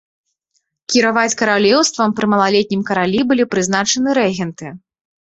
Кіраваць каралеўствам пры малалетнім каралі былі прызначаны рэгенты.